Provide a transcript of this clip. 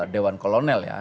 dewan kolonel ya